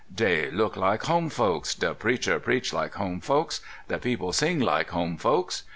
Dey look like home folks, de preacher preach Hke home folks, de people sing like home folks.